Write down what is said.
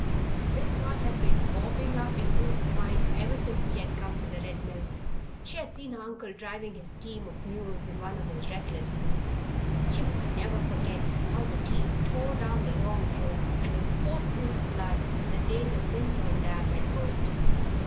This thought had been bobbing up in Ruth's mind ever since she had come to the Red Mill. She had seen her uncle driving his team of mules in one of his reckless moods. She would never forget how the team tore down the long hill and was forced through the flood the day the Minturn dam had burst.